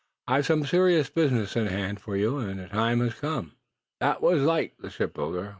"I've some serious business in hand for you, and the time has come." That was like the shipbuilder.